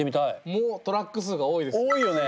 もうトラック数が多いですね。